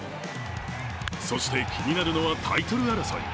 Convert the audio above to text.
そして気になるのはタイトル争い。